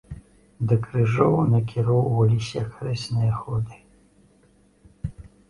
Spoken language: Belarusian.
Да крыжоў накіроўваліся хрэсныя ходы.